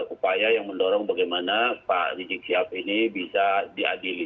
upaya yang mendorong bagaimana pak rizik sihab ini bisa diadili